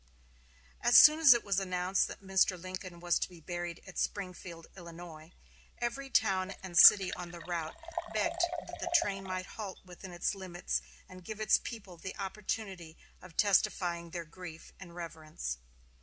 As soon as it was announced that Mr. Lincoln was to be buried at Springfield, Illinois, every town and city on the route begged that the train might halt within its limits and give its people the opportunity of testifying their grief and reverence.